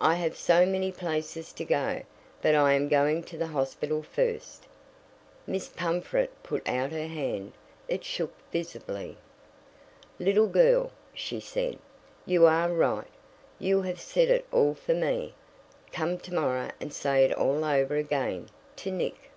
"I have so many places to go, but I am going to the hospital first." Miss Pumfret put out her hand it shook visibly. "Little girl," she said, "you are right. You have said it all for me. Come to morrow and say it all over again to Nick."